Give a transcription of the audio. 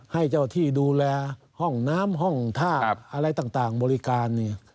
ให้เจ้าที่ดูแลห้องน้ำห้องท่าอะไรต่างบริการ